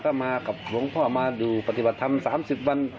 ถ้ามากับหลวงพ่อมาดูปฏิบัติธรรม๓๐วัน